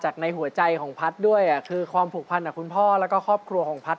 ในหัวใจของพัฒน์ด้วยคือความผูกพันกับคุณพ่อแล้วก็ครอบครัวของพัฒน